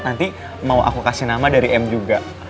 nanti mau aku kasih nama dari m juga